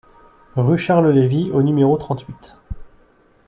Rue Charles Levy au numéro trente-huit